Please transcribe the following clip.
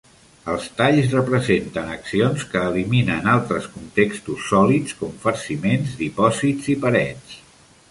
Els talls representen accions que eliminen altres contextos sòlids com farciments, dipòsits i parets.